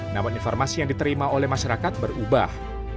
namun informasi yang diterima oleh masyarakat berubah